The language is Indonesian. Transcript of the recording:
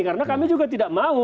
karena kami juga tidak mau